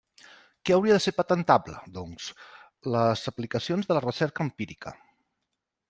Què hauria de ser patentable, doncs? Les aplicacions de la recerca empírica.